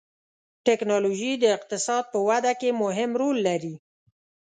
ټکنالوجي د اقتصاد په وده کې مهم رول لري.